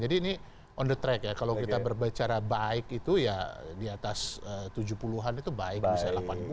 jadi ini on the track ya kalau kita berbicara baik itu ya di atas tujuh puluh an itu baik misalnya delapan puluh gitu kan atau sembilan puluh